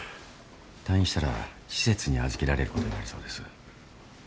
退院したら施設に預けられることになりそうです。